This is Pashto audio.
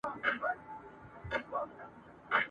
لار یې کړه بدله لکه نه چي زېږېدلی وي !.